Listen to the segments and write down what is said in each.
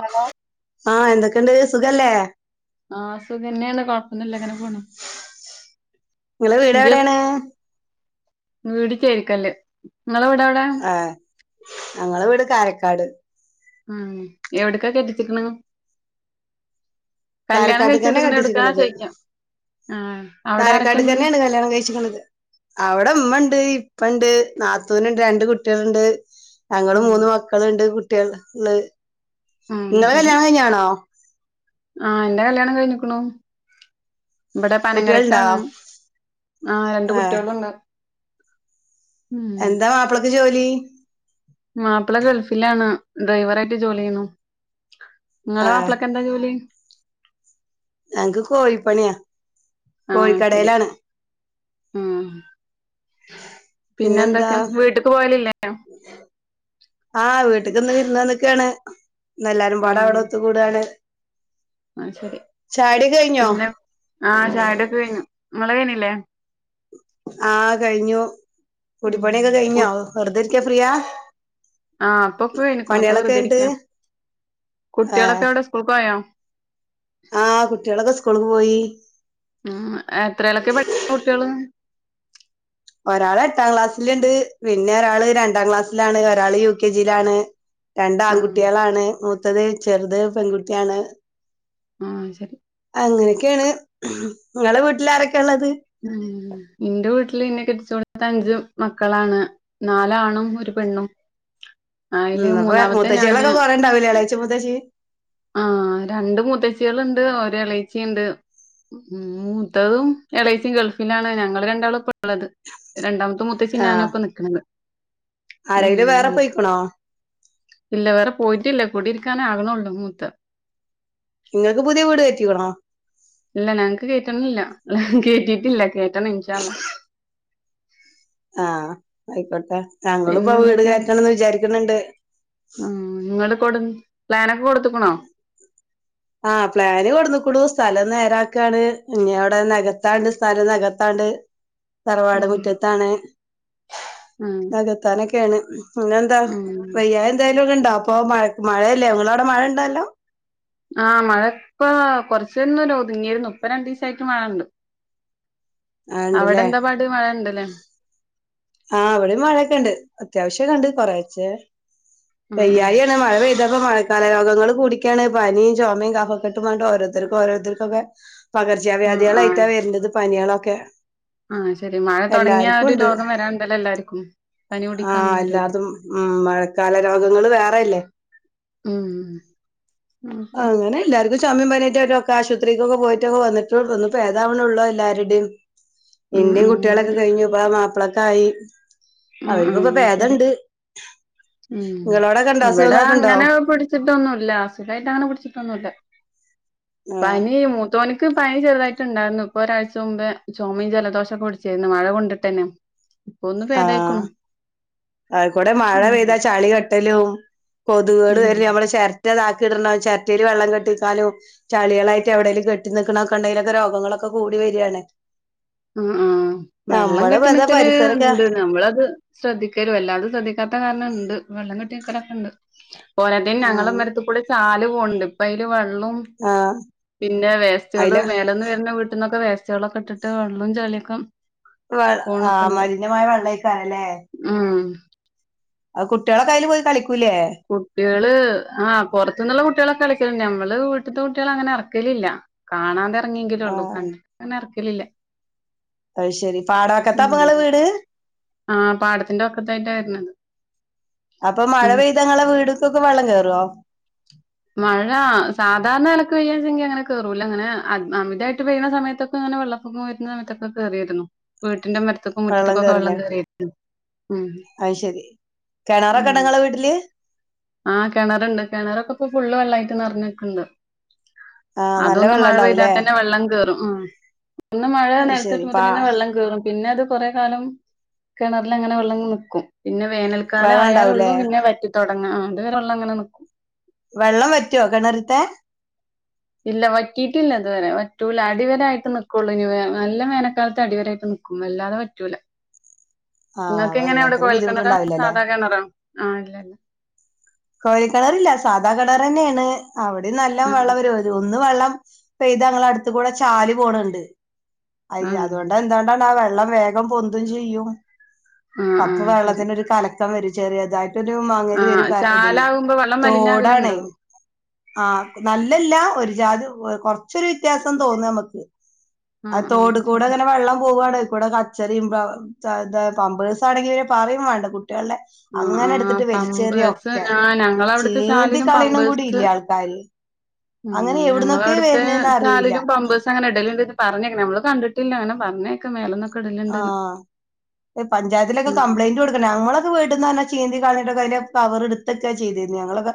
Hello ആഹ് എന്തൊക്കെണ്ട് സുഖല്ലേ? ആഹ് സുഖന്നേണ് കൊഴപ്പൊന്നില്ല അങ്ങനെ പോണ് ഇങ്ങളെ വീട് ഇജ്ജ് എവിടെയാണ്? വീട് ചേരിക്കല്ല് നിങ്ങളെ വീട് എവിടെ ആഹ് ഞങ്ങളെ വീട് കാരക്കാട്. ആഹ് എവ്ട്ക്കാ കെട്ടിച്ചക്ക്ണ് കാരക്കാട്ട്ക്കന്നെ കെട്ടിച്ചിക്കണത് ആഹ് അവിടെ ആരൊക്കെണ്ട് കാരക്കാട്ട്ക്കെന്നെണ് കല്യാണം കഴിച്ചിക്ക്ണത് അവ ടെ മ്മണ്ട് ഇപ്പണ്ട് നാത്തൂനുണ്ട് രണ്ട് കുട്ടികളുണ്ട് ഞങ്ങള്, ഉം മൂന്ന് മക്കളിണ്ട്, കുട്ടികൾ ഉള് ആഹ് നിങ്ങളെ ശരി കല്യാണം കഴിഞ്ഞാണോ ആഹ് എന്റെ കല്യാണം കഴിഞ്ഞിക്കണു ഇവിടെ കുട്ടികളുണ്ടോ പനങ്കരക്കാണ് ആഹ് രണ്ട് ഏഹ് കുട്ടികളിണ്ട് എന്താ മാപ്പിളക്ക് ജോലി? മാപ്പിള ഗൾഫിലാണ് ഡയ്വർയിട്ട് ജോലി ചെയ്യുന്നു. ഇങ്ങളെ ഏഹ് മാപ്പിളക്കെന്താ ജോലി? ഞങ്ങക്ക് കോഴിപ്പണിയാ കോഴിക്കടയിലാണ്. ഉം പിന്നെ പിന്നെന്താ എന്തൊക്കെയാ വീട്ടക്ക് പോവലില്ലേ? ആഹ് വീട്ടക്കിന്ന് വിരുന്ന് വന്ന്ക്കാണ് ഇന്ന് എല്ലാരും പാടെ ആഹ് അവിടെ ഒത്ത് കൂടാണ്. ആഹ് ശരി കഴിഞ്ഞോ പിന്നെ ആഹ് ചായ കുടിയൊക്കെ കഴിഞ്ഞു ഇങ്ങളെ കയിഞ്ഞ ല്ലേ. ആഹ് കഴിഞ്ഞു ഉം കുടിപ്പണിയൊക്കെ കു കഴിഞ്ഞോ വെറുതെ ഇരിക്ക ഫ്രീയാ ആഹ് ഇപ്പോക്കെ കയിഞ്ഞിക്കണു ഇപ്പോ പണികളൊക്കെ കഴിഞ്ഞിട്ട് വെർതിരിക്ക കുട്ടികളൊക്കെ അവിടെ സ്കൂൾ ക്ക് പോയാ? ആ കുട്ടികളൊക്കെ സ്കൂളക്ക് പോയി. ഉ എത്രേലൊക്കെ പഠിക്ക കുട്ടികള്? ഒരാൾ എട്ടാം ക്ലാസ്സല് ഉണ്ട് പിന്നെ ഒരാള് രണ്ടാം ക്ലാസ്സിലാണ് ഒരാൾ യു കെ ജ യിലാണ് രണ്ട ആഹ് ആൺകുട്ടികളാണ് മൂത്തത് ചെറുത് പെൺകുട്ടിയാണ്. ആഹ ശരി അങ്ങനെയൊക്കെയാണ് നിങ്ങളുടെ വീട്ടിലാരൊക്ക? ഉം ന്റെ വീട്ടില് നിന്നെ കെടിച്ച കൊളത്തെ അഞ്ചും മക്കളാണ് നാലാണും ഒരു പെണ്ണും. അയില് ഉം അപ്പൊ മൂന്നാമത്തെ മുത്ത്ച്ചിളക്കെ കൊറെയുണ്ടവില്ലേ [unintelligible] ആഹ രണ്ട മുത്തച്ചികളുണ്ട് ഒ എളച്ചിണ്ട് ഉം മുത്തതും എളൈച്ചിയും ഗൾഫിലാണ് ഞങ്ങള്ൾ രണ്ടാളും ഇപ്പ ഉള്ളത് രണ്ടാമ മ മുത്തേച്ച ആ ഞാന ഇപ്പ നിൽക്കുണത് ഉ ആരെങ്കിലും വേറെ പോയിക്കണോ ഇല്ല വേറെ പോയിട്ടില്ല കൂടിരിക്കാന ആകണള്ളൂ ത്ത [unintelligible] നിങ്ങൾക്ക് പുതിയ വീട് [unintelligible] ഇല്ല ഞങ്ങക്ക് [unintelligible] കേറ്റിട്ടില്ല കേറ്റണം ഇൻഷാഅല്ലാഹ് ആഹ ആയിക്കോട്ടെ ഞങ്ങളും പിന്നെ ഇപ്പ വീട് എന്തൊക്കെയാ കയറ്റണംന്ന് വിചാരിക്കുന്നുണ്ട്. ഉം ഇങ്ങള് കൊടു പ്ലാനൊക്കെ കൊടുത്തക്കണോ? ആഹ പ്ലാന് കൊടുന്നക്കടൂ സ്ഥലം നേരാക്കാണ് ഇനി അവിടെ നകത്താണ്ട് സ്ഥലം നകത്താണ്ട്. ണ്ട് തറവാട ഉം മുറ്റത്താണ് ഉം നഗത്താനൊക്കെയാണ്. അങ്ങെന്താ ഉം വയ്യാ എന്തായാലും ഒക്കെ ഇണ്ടാ അപ്പൊ മഴ മഴയല്ല നിങ്ങള അവിടെ മഴ ഇണ്ടോ? [unintelligible] ആഹ മഴ ഇപ്പോ കൊറചെരം ഒന്ന് ഒതുങ്ങിര്‌ന്ന്‌ ഇപ്പരണ്ടീസ ആയിട്ട് മയണ്ട് ആ അവിടെ ഇണ്ട്ല്ലേ എന്താ പാട് മഴ ഇണ്ട് ലേ ആ അവിടെയും മഴയൊക്കെ ഉണ്ട് അത്യാവശ്യം കണ്ട് കൊറച്ച ആഹ് വയായി ആണ് മഴപെയ്തപ്പം [unintelligible] കലരോഗങ്ങള്ൾ കൂടിക്കാണ് പനിയും ചുമയും കഫക്കെട്ടും [unintelligible] ഓരോത്തർക്കും ഓരോരുത്തർക്കുംക്കെ പകർച്ച വ്യാധികളായിട്ടാ വരുന്നത് പനികളൊക്കെ ആഹ ശരി മഴ തുടങ്ങിയ ഒരു രോഗം വരാ ആഹ അല്ലാതും ഉ മഴക്കാല രോഗങ്ങള് വേറെയല്ലേ? ഉം ആഹ് ആ ശരി അങ്ങനെ എല്ലാരുതു [unintelligible] ഉം എന്റെയും ഉം കുട്ടികളൊക്കെ ശരി കഴിഞ്ഞുപ്പ മാപ്പിളക്ക ആയി ആ ആഹ ശരി ഉ നിങ്ങളോടൊക്കെ ഉണ്ടോ ഇവിടെ അസുഖങ്ങളൊക്കെ ഉണ്ടോ അങ്ങനെ പിടിച്ചിട്ടൊന്നുംല്ല അസുഖായിട്ട് അങ്ങനെ പിടിച്ചിട്ട ഒന്നുല ആഹ് പനി മൂത്തോന് പനി ചെറുതായിട്ട്ുണ്ടായിരുന്നു ഇപ്പൊ ഒരാഴ്ച മുമ്പ് ചൊമ ജലദോഷൊ ഒക്കെ പിടിച്ചിയിരുന്നു മഴ കൊണ്ടിട്ട് ന്നെ ഇപ്പൊ ഒന്ന് പേതയ്‌ക്ക്ണ്. ആ കൂടെ മഴ പെയ്താ ചളികെട്ടലും കൊതുകൾ വര നമ്മള് ഷ താക്കി ഇടണം ചിരട്ടായി വെള്ളം കെട്ടിക്കാലും ചളികളായിട്ട് എവിയങ്കുംെട്ട നിിക്കക്കണൊക്കെണ്ടെങ്കിലൊക്കെ രോഗങ്ങളൊക്കെ ക്ക കൂടി വരാണ്. ആ ആഹ് വെള്ളം കെട്ട എന്താ നിക്കല് പരിസരൊക്കെ ഉണ്ട് നമ്മളത് ശ്രദ്ധിക്ക ും വല്ലാതും ശ്രദ്ധിക്കാത്ത കാരണംുണ്ട് വെള്ളം കൊട്ടിയക്കലൊക്കെ ഉണ്ട് പോലെത്ത ഞങ്ങളുടെ ആഹ് മരത്തിൽ കൂടെ ചാല് പോകണ്ട് ഇപ്പൊ അതില് [unintelligible] ആഹ് െ പിന്നെ വേസ്റ്റേകള് അയില മേലന്ന് വരുന്ന വീട്ടിൽന്നൊക്കെ വേസ്റ്റേകളൊക്കെ [unintelligible] [unintelligible] [unintelligible] ആ പോണൊക്കെണ്ട് മലിിനമായ [unintelligible] ഉം അത് കുട്ടികളെ കയ്യിയില് പോയി കളിക്കും കുട്ടികള് ആ പുറത്തു നിന്നുള്ള കുട്ടികളൊക്കെ കളിക്കല നഞമ്മള് നമ്മള് വീട്ടത്തെ കുട്ട്യാളെ അങ്ങനെ ഇറക്കലില്ല കാണാണ്ടെ ഇറങ്ങിയെങ്കിലേ ഉള്ളു ആഹ് കണ്ട്ട്ട് അങ്ങനെ ഇറക്കലില്ല അത് ശരി പാടവക്കത്താ അപ്പങ്ങളെ വീട് ആഹ പാടത്തിന്റെ വക്കത്തായിട്ടായിുന്നത് അപ്പൊ മഴ പെയ്തങ്ങളെ വീടക്കൊക്കെ വെള്ളം കേയറുവോ മഴ സാധാരണ ഇലക്ക് പെയ്യച്ചെങ്കി അങ്ങനെ കേറൂല അങ്ങനെ അമിതായിട്ട് പെയ്യുന്ന സമയത്തൊക്കെ അങ്ങനെ വെള്ളപ്പൊക്കം വരുന്ന സമയത്തൊക്കെയറിയിരുന്ന് വീട്ടിന്റെ മരത്തൊക്കും മുറ്റത്തക്കും ഒക്കെ വെള്ളം കയറിയിരുന്നു അയ്ശരി കിണറൊക്കെ ഇണ്ടോ ഇങ്ങളെ വീട്ടില് ആഹ കിണറുണ്ട് കിണറൊക്കെ ഇപ്പൊ ഫുള്ള് വെള്ളായിട്ട് നിറഞ്ഞൊക്കണ്ട് ആഹ് നല്ല അതൊന്ന് വെള്ളം മഴ ഉണ്ടാവൂലേ പെയ്താൽ തന്നെ വെള്ളം കയറും ആ ഒന്ന് മഴ അത് ശരി നേരത്തെട്ട് പാ മുന്നെ വെള്ളം കയറും പിന്നെ അത് കൊറെ കാലം കിണറിൽ അങ്ങനെ വെള്ളം നിക്കും പിന്നെ വേനൽക്കാലം വെള്ളം ഉണ്ടാവൂലേ ആയാലൊള്ളു പിന്നെ വറ്റ തുടങ്ങ അതുവരെ വെള്ളം അങ്ങനെ നിക്കും വെള്ളം വറ്റോ കിണറ്ത്തെ ഇല്ല വറ്റിയിട്ടില്ല ഇതുവരെ വറ്റൂല അടിവര ആയിട്ട് നിക്കുള്ളൂ ഇ നല്ല വേനക്കാലത്ത് അടിവരായിട്ട് ന വല്ലാതെ പറ്റൂലേ ആ നിങ്ങക്ക് എങ്ങനെ അവിടെ കൊഴൽ കെണറോ അതോ സാധാ കെണറോ ആഹ ഇല്ലല്ല കൊഴല്‌ക്കെണറില്ല സാധാ കെണർ തന്നെയാണ് അവിടെ നല്ലാം വെള്ളം വരും അ ഒന്ന് വെള്ളം ഇപ്പൊെയ്ത്ങ്ങള അടുത്ത കൂടെ ചാല് പോണണ്ട് അ ആ അതുകൊണ്ട് എന്ത കൊണ്ടണ്ട വെള്ളം വേകം പൊന്തും ചെയ്യും ആ ആ ആ അപ്പൊ ശരി വെള്ളത്തിന് ഒരു കല ഇം വര ചെറിയതായിട്ടൊരു ആ മാങ്ങല് വരും ഇതിന് ചാലാകുമ്പോ വെള്ളം തോടാണേ മലിനാകലുണ്ടോ ആഹ നല്ലല്ല ഒരു ജാതി കുറച്ചൊരു വ്യത്യാസം തോന്നുന്നു നമുക്ക് ആ തോട് കൂടെ അങ്ങനെ വെള്ളം പോവാാണ് കൂടെ കച്ചറെം പമ്പേഴസ് ആണെങ്കിൽ പിന്നെ പറയും വേണ്ട കുട്ടികളുടെ ആ അങ്ങനെ ആ എടുത്തിട്ട് വലിച്ചെറിയോ പമ്പേഴ്സ് ആ ഞങ്ങളവിടുത്തെ ചീന്തി ചാലിലും കളീണു കൂടി ഇല്ല ആൾക്കാാര് ഉ ഞങ്ങളെ അവിടുത്തെ അറിയില്ല ചാലിലും പമ്പേഴ്സ് അങ്ങനെ ഇടല്‌ണ്ട്ന്ന് പറഞ്ഞിക്ക്ണു നമ്മള് കണ്ടിട്ടില്ല അങ്ങനെ പറഞ്ഞൊക്കെ മേല ആഹ പഞ്ചായത്തിലൊക്കെ ഉം കംപ്ലൈന്റ് കൊടുക്കണ ഞങ്ങളൊക്കെ വീട്ടന്ന് ചീന്തി കളഞ്ഞിട്ട് ഒക്കെ അയിന്റെ കവർട്തേക്കാ ചെയ്തിരുന്നു ഞങ്ങളോക്കെ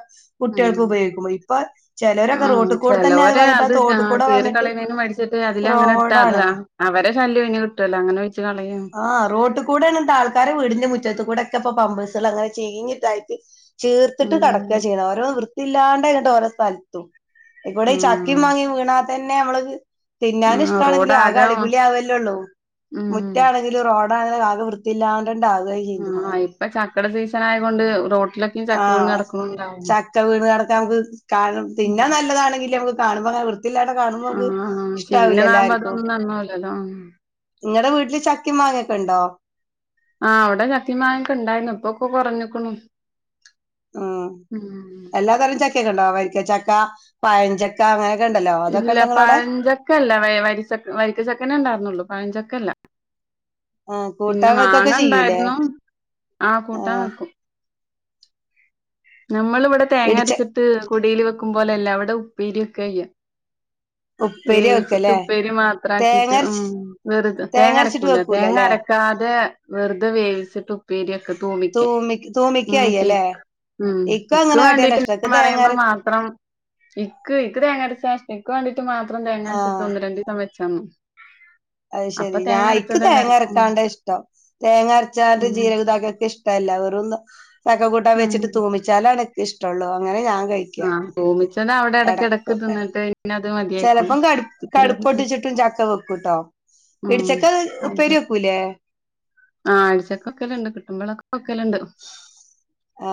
ഉം കുട്ടികൾക്ക് ഉപയോഗിക്കുമ്പോ ഇപ്പൊ ചിലരൊക്കെ ആഹ് റോട്ട് കൂടെ തന്നെ അത് വന്നിട്ട് ആ തോട്ട് കൂടെ വന്നിട്ട് ് അതിലാങ്ങനെട്ടാ റോഡാണ് അത ആ അവരെ ശല്യം ഒഴിഞ്ഞു കിട്ടുവല്ലോ അങ്ങനെ കളയും ആഹ് റോട്ട് കൂടണ ആൾക്കാരെ വീട്ടിന്റെ മുറ്റത്ത് കൂടെ പമ്പ്സൾ അങ്ങനെ ചീഞ്ഞിട്ടായിട്ട് ചീർത്തിട്ട് കടക്കുക ഉം ചെയ്യ്ണത് ഓരോ വൃ ഇല്ലാണ്ട് ഇങ്ങിട്ട് ഓരോ സ്ഥലത്തും ഇവിടെ ചക്കീം ആഹ് മാങ്ങിമ് വീണാ തന്നെ നമ്മള് തിന്നാൻ ആഹ് ഇഷ്ടമാണെങ്കിലില് ആകെ റോഡാകെ അളി ഉം പിളി ആവല്ലോള്ളൂ ഒറ്റ ആണെങ്കിലും റോഡാണെങ്കിൽ ആകെ വൃത്തില്ലാണ്ടകുക ചെയ്തക്കണത് കക്ക സീസൺ ആയൊണ്ട് റോ ആഹ ചക്ക വീണ് നടക്കാൻ നമുക്ക് കാ പിന്നെ നല്ലതാണെങ്കിൽ നമുക്ക് കാണുമ്പോ ഇങ്ങനെ ടെ കാണുമ്പോ നമക്ക് ആഹ് ചീഞ്ഞ ഇഷ്ടവില്ല നാവുമ്പോ എല്ലാർക്കും അതൊന്നും നന്നാവൂലല്ലോ നിങ്ങളടെ വീട്ടില് ക്കി മാങ്ങൊക്കെ ണ്ടോ ആ ഇവ്ടെ ചക്കിം മങ്ങേക്കെണ്ടായിന്നു ഇപ്പക്കെ കൊറഞ്ക്കുണു ഉം എല്ലാ തരം ചക്കയൊക്കെ ഉണ്ടോ വരിക്കച്ചക്ക പയഞ്ചക്ക അങ്ങനെ ഇല്ല പഴഞ്ചക്കല്ല ല്ല വരിക്ക ചക്കനെ ണ്ടാരുനൊള്ളു പഴഞ്ചക്കല്ല ആ പിന്നെ കൂട്ടാൻ വെക്കൊക്കെ മാങ്ങ ചെയ്യൂലേ ണ്ടാരുന്നു ആ കൂട്ടാൻ വെക്കും നമ്മള് ഇവ്ടെ തേങ്ങ ഇടിച്ച അരച്ചിട്ട് കുടില് വെക്കുംബോലെ അല്ല അവ്ടെ ഉപ്പെരി വെക്കെയ്യാ ഉ വേവിച്ചിട്ട് ഉപ്പേരി മാത്രാക്കിട്ട് ഉം വെറുത തേങ്ങരച്ചിട്ട് തേങ്ങഅരക്കൂല വെക്കൂല അല്ലേ തേങ്ങഅരക്കാതെ വെറുതെ വേവിച്ചിട്ട് ഉപ്പേരിയാക്ക തൂമിക്ക്യ തൂമിക്കായ്യലെ ഉം ഇക്ക് വാണ്ടീട്ട് ഞാൻ പറയുമ്പ തേങ്ങര മാത്രം ഇക്ക് ഇക്ക് തേങ്ങഅരച്ചതാ ഷ് ഇക്ക് വേണ്ടിട്ട് മാത്രം ആ തേങ്ങാരച്ച് ഒന്ന് രണ്ടീസം വെച്ചന്നു അത് അപ്പൊ ശെരി തേങ്ങ ഞായിക്ക് അരച്ചത് തേങ്ങ എല്ലാർക്കും അരക്കാണ്ടാ ഇഷ്ട്ടം തേങ്ങ അരച്ചാതെ ഉം ജീരകതാക്കിയ ക്ക് ഇഷ്ട്ടല്ല വെറും ചക്ക കൂട്ടാൻ ഉം വെച്ചിട്ട് തൂമിച്ചാലാണ് ക്ക് ഇഷ്ട്ടള്ളൂ അങ്ങനെ ഞാൻ കയ്ക്ക ആഹ് തൂമിച്ചത് അവിടെ ഇടക്കിടക്ക് എടക്കൊക്കെ തിന്നിട്ട് പിന്നെ അത് മതിയായിക്കുണു ചെലപ്പം കട് കട്പ്പ് പൊട്ടിച്ചിട്ടും ചക്ക വെക്കുട്ടൊ ആ ആഴ്ചക്ക് ക്കലൊണ്ട് കിട്ടുമ്പളൊക്കെ പ്പക്കല്ണ്ട് ആ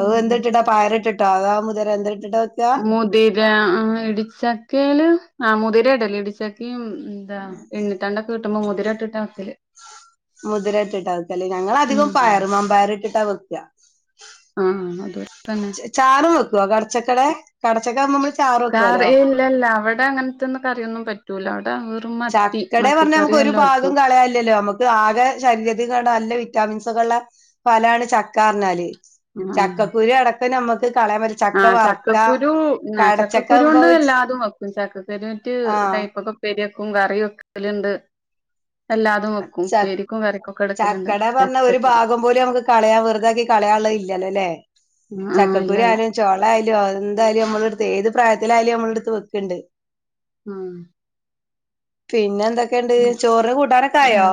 അത് എന്തിട്ടിട്ടാ പയറിട്ടിട്ടോ അതൊ മുതിര എന്താ മുതിര ആ ഇടിച്ചക്കെല് ആ മുതിര ഇടല് ഇടിച്ചക്കേം ദാ ഇണ്ണിത്തണ്ടൊക്കെട്ടുമ്പോ മുതിര ഇട്ടിട്ടാവെക്കല് മുതിര ഇട്ടിട്ടാ വെക്കല് ഞങ്ങള് അധികോം ഉം പയറ് മമ്പയറിട്ടിട്ടാ വെക്ക്ആ ആഹ് അത് തന്നെ ച ചാറും വെക്കുവൊ കടച്ചക്കടെ? കടച്ചക്ക ആകുമ്പോ നമ്മള് ചാറ് കറി വെക്കുവല്ലോ ഏ ല്ലല്ല അവ്ടങ്ങനത്തൊന്നും കറിയൊന്നും പറ്റൂല അവ്ടെ ചക്കേട പറഞ്ഞാ ഞമക്ക് ഒരു ഭാഗം പറ്റും കളയാല്ലല്ലോ മ്മക്ക് ആകെ ശരീരത്തിക്ക് വാണ്ട നല്ല വിറ്റാമിൻസൊക്കെള്ള ഫലാണ് ചക്കാർഞ്ഞാല് ചക്കക്കുരു അടക്കം ഞമ്മ ആ ചക്കക്കുരു കടച്ചക്ക ചക്കക്കുരു ആകുമ്പോ കൊണ്ട് എല്ലാതും വെക്കും ചക്കക്കുരുറ്റ് ആഹ് കയ്പ്പക്കപ്പേരിവെക്കും കറിവെക്കലുണ്ട് ച എടുക്കല്ണ്ട് ചക്കട പറഞ്ഞ ഒരു ചക്കക്കുരു ഭാഗം പോലും അമ്മക്ക് കളയാൻ വെറുതാക്കി കളയാന്ള്ള ല്ല്യാല്ലോലെ ആഹ് ഇല്ലല്ല ചക്കുരുയാലും ചോളായാലും എന്തായാലും നമ്മടെടുത്ത് ഏത് പ്രയത്തിലായാലും നമ്മളെടുത്ത് വെക്ക്ണ്ട് ഉം പിന്നെ എന്തൊക്കെയ്ണ്ട് ചോറിന് കൂട്ടാനൊക്കെ ആയോ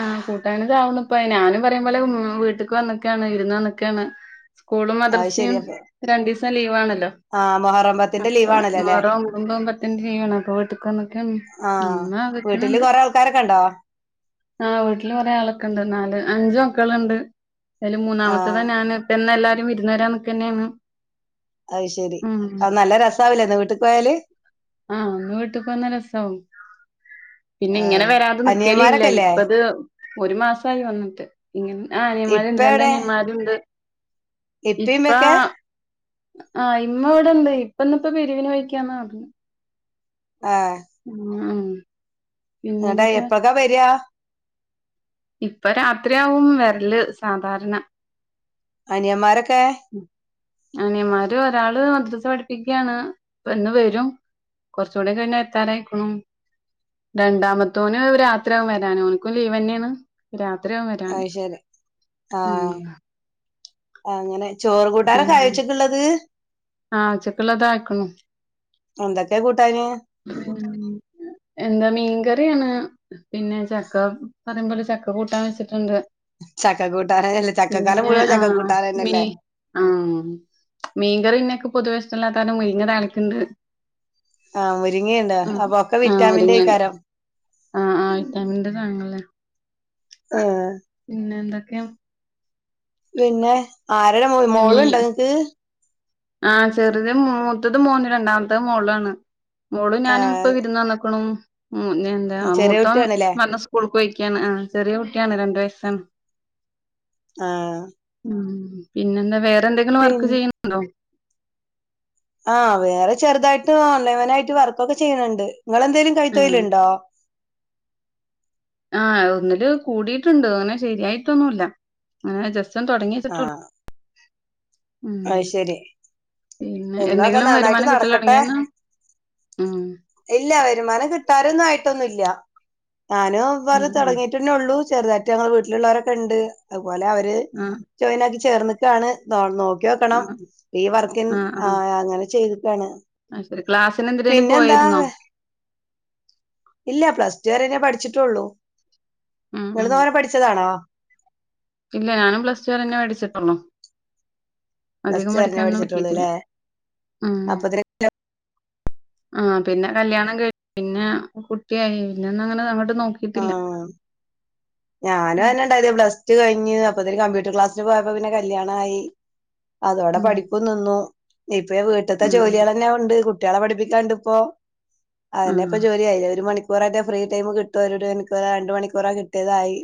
ആ കൂട്ടാന് ദാ [unintelligible] ഞാനും പറയുമ്പോലെ വീട്ടിക്ക് വന്ന്ക്കയാണ് വിര്ന്ന് വന്ന്ക്കയാണ് സ്കൂളും അത് ശരി മദ്രസയും അപ്പൊ രണ്ടിസം ലീവ് ആണല്ലോ ആ മൊഹറം പത്തിന്റെ [unintelligible] ലീവ് ആണല്ലോ അല്ലെ അപ്പ വീട്ട്ക്ക് വന്നക്കാണ് ആഹ് ഉമ്മ വെക്ക്ണ് വീട്ടില് ണ്ട് കൊറേ ആൾക്കാരൊക്കെ ഉണ്ടോ ആ വീട്ടില് കൊറെ ആളൊക്കെണ്ട് നാല് അഞ്ച് മക്കളൊണ്ട് അയില് ആഹ് മൂന്നാമത്തെതാ ഞാണ് ഇപ്പ ഇന്ന് എല്ലാരും വിര്ന്ന് വരാൻ നിക്കന്നെയാണ് അയ് ശെരി ഉം ആ നല്ല രസാവില്ലെന്ന് വീട്ട്ക്ക് പോയാല്? ആ ഇന്ന് വീട്ട്ക്ക് വന്നാ രസാവും പിന്നെ ഇങ്ങനെ ആഹ് വരാതെ നിക്കലില്ല അനിയന്മാരൊക്കെല്ലേ ഇപ്പത് ഒരു മാസായി വന്നിട്ട് ഇങ്ങനെ ആ അനിയൻ മാരുണ്ട് രണ്ട് അനിയൻ മാര്ണ്ട് ഇപ്പേം ഇമ്മേംക്കെ ആ ഇമ്മ ഇവ്ട്ണ്ട് ഇപ്പ ഇന്നിപ്പോ പിരിവിന് പോയിക്യാന്ന് പറഞ്ഞെ ആ ആ എട എപ്പക്കാ വരിയാ ഇപ്പ രാത്രിയാവും വരല് സാധാരണ അനിയമ്മാരൊക്കേ അനിയമാര് ഒരാള് മദ്രസ പഠിപ്പിക്കാണ് ഇന്ന് വരും. കുറച്ചൂടെ കഴിഞ്ഞാ എത്താനായ്ക്ക്ണു. രണ്ടാമത്തോന് രാത്രിയാവും വരാന്. ഓൻക്കും ലീവന്ന്യാണ്. രാ അയ്ശരി ആ അങ്ങനെ. ചോറ് കൂട്ടാനൊക്കായോച്ചക്കുള്ള്ത്? ആഹ് ഉച്ചക്കുള്ളതായ്ക്കുണു. എന്തൊക്കെ കൂട്ടാന് എന്താ മീൻകറിയാണ് പിന്നെ ചക്ക പറയുമ്പോലെ ചക്ക കൂട്ടാൻ വെച്ചിട്ട്ണ്ട് ചക്ക കൂട്ടാനല്ല ചക്കക്കാലം പിന്നെ മുഴുവൻ ആ ചക്ക മീ കൂട്ടാനന്നല്ലേ ആ മീൻങ്കറി പിന്നേക്ക് പൊതുവേ ഇഷ്ട്ടല്ലാത്താർണം മുരിങ്ങ താളിക്ണ്ട്. ആ മുരിങേണ്ടാ അപ്പൊക്കെ വിറ്റാമിന്റായിക്കാരം. ആഹ് ആയി തണ്ട് തങ്ങളെ ആ പിന്നെ എന്തൊക്ക്യ പിന്നെ ആരരമോൻ മീ മോള്ണ്ടാ ഇങ്ങക്ക്? ആ ചെറുത് മൂത്തത് മോന് രണ്ടാമത്തത് മോളാണ്. മോളും ആ ഞാനും ഇപ്പം വിര്ന്ന് വന്ന്ക്ക്ണു. മ് ഇനിയെന്താ ചെറിയ മൂതോം കുട്ടിയാണല്ലേ വന്ന് സ്കൂൾക്കോയിക്ക്യാണ്. ആ ചെറിയ കുട്ട്യാണ് രണ്ട് വയസ്സാണ്. ആഹ് ഉം പിന്നെ എന്താ? വേറെ എന്തെങ്കിലും വർക്ക് ചെയ്യണണ്ടോ? ആ വേറെ ചെറുതായിട്ട് ഓൺലൈൻവനായിട്ട് വർക്കൊക്കെ ചെയ്യണണ്ട്. നിങ്ങളെന്തേലും അങ്ങനെ കൈതൊയ്ല്ണ്ടോ? ആഹ ഒന്നില് കൂടിയിട്ടുണ്ട് ആ ഒന്നില് കൂടീട്ട്ണ്ട്. ഓനെ ശരിയായിട്ടൊന്നുല്ല്യാ അങ്ങനെ ജസ് ‌റ്റോന്ന് തുടങ്ങിവെച്ചിട്ടൊൾ അയ്ശരി. പിന്നെ എന്നാതെ എന്തെങ്കിലും നന്നായിട്ട് വരുമാനം കിട്ടല് നടക്കട്ടെ തുടങ്ങിയെന്നാ ഉം ഇല്ല. വരുമാനം കിട്ടാറൊന്നായിട്ടൊന്നുല്ല്യാ. ഞാനും വേറെ ഉം ആഹ് തുടങ്ങീട്ടന്നേള്ളൂ. ചെർതായ്ട്ട് ഞങ്ങൾ വീട്ടില്ള്ളവരൊക്കെണ്ട് അതുപോലെ അവര് ആഹ് ജോയിൻ ആക്കി ചേർന്നക്കാണ് നോ നോക് ക്കിയോക്കണം ആഹ് ഈ വർക്കിൻ ആഹ് ആ അങ്ങനെ ചെയ്ത്ക്കാണ്. ക്ലാസിന് എന്തിരേലും പോയ്ര്ന്നോ? ഇല്ല പ്ലസ് റ്റു രെന്നേ ഞാൻ പഠിച്ചെട്ടുള്ളൂ. ഉം ഉം നിങ്ങള് തോനെ പഠിച്ചതാണോ? ഇല്ല ഞാനും പ്ലസ് ടു വരന്നേ പഠിച്ചിട്ടുള്ളൂ. പ്ലസ് അധികം ടു വരെ പഠിക്കാനൊന്നും പഠിച്ചിട്ടുള്ളൂ അല്ലെ പറ്റീട്ടില്ലാ ഉംഹ് അപ്പത്തിന് ആ പിന്നെ കല്യാണം ക [unintelligible] പിന്നാ കുട്ട്യായി പിന്നന്നങ്ങനെ [unintelligible] നോക്കിട്ടില്ല ഞാ [unintelligible] ന്നേണ്ടായത്. പ്ലസ് ടു കയ്ഞ്ഞ് അപ്പതിൽക്ക് കമ്പ്യൂട്ടർ ക്ലാസ്ന് പോയപ്പോ പിന്നെ കല്യാണായീ അതോടെ ഉം പഠിപ്പും നിന്നു. ഇപ്പ ഈ വീട്ട്ത്തെ ഉം ജോലികളന്നെ ഒണ്ട് കു കുട്ടികളെ പഠിപ്പിക്കാണ്ട്പ്പോ ആഹ് അതന്യേപ്പോ ആഹ് ജോലി അയിലൊരു മണി ക്കൂരറ്റേ ഫ്രീടൈം കിട്ടൊരണിക്കോറാരണ്ട്മണിക്കൂറാ കിട്ടിയതായി.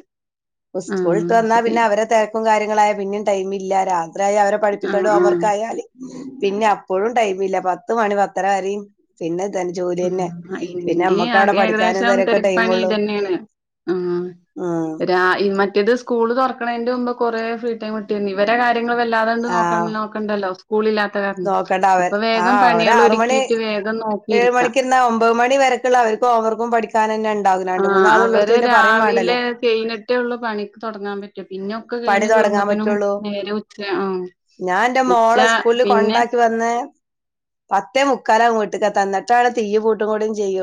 ഉസ്കൂളിട്ട് ആഹ് വന്നാ ശരി പിന്നെ അവരെ തെരക്കും കാര്യങ്ങളായ് പിന്നേം ടൈമില്ലാ രാ രായി അവരെ പടിപ്പിക്കണ്ടെ ആഹ് ഓമർക്കായാല് ആഹ് പിന്നപ്പോഴും ടൈം ഇല്ല പത്ത് മണി പത്തരവരേം പിന്നെ ഇതന്നെ ജോലി തന്നെ ഉം ആ പിന്നെ ഇന്റേം നമ്മക്ക് ആ അവിടെ പഠിക്കാനും ഏകദേശം ഇതിനൊക്കെ പെരപ്പണി ടൈമുള്ളൂ ഇതന്ന്യാണ്. ആ ഉം രാ ഈ മറ്റേത് സ്കൂള് തുറക്കണേന്റെമ്പ് കൊറേ ഫ്രീ ടൈം ട്ട്യേന്ന് ഇവരാ ര്യങള് വല്ലാതണ്ട് നോക്ക ആഹ് നോക്കണ്ടല്ലോ. സ്കൂളില്ലാത്ത കാരണം നോക്കണ്ട അവ അപ്പൊ വേഗം ആഹ് പണികള് ഒരുക്കീട്ട് വേഗം നോക്കി ഇര്ന്നാ ഒമ്പത് മണിവരക്ക്ള്ള അവർക്കും ഓംവർക്കും പഠിക്കാനക്ക്ണ്ട്. ആ അവര രാവിലെ കൈഞ്ഞിട്ടേ ഉള്ളൂ പണിക്ക് തുടങ്ങാൻപറ്റാ. പിന്നൊക്കെ പണി കഴിഞ്ഞ് തുടങ്ങാൻ ടുമ്പത്തിനും പറ്റുള്ളൂ നേരോം ഉച്ചാവും. ഞാൻ എന്റെ മോളെ സ്കൂലിൽ കൊണ്ടാക്കി വന്ന് പത്തേ മുക്കാലാവും വീട്ടിക്കെത്താൻ എന്നിട്ട് വേണം തീയും പൂട്ടും കൂടും ചെയ്യു